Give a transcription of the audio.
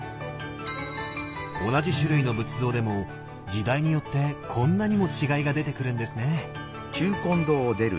同じ種類の仏像でも時代によってこんなにも違いが出てくるんですね。